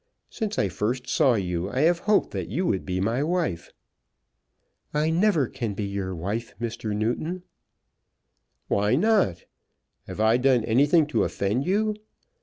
Since I first saw you, I have hoped that you would be my wife." "I never can be your wife, Mr. Newton." "Why not? Have I done anything to offend you?